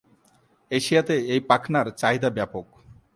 এশিয়াতে এই পাখনার চাহিদা ব্যাপক।